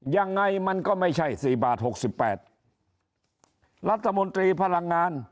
ยังไงมันก็ไม่ใช่สี่บาทหกสิบแปดรัฐมนตรีพลังงาน